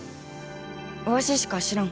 わししか知らん。